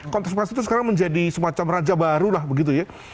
kontestasi itu sekarang menjadi semacam raja baru lah begitu ya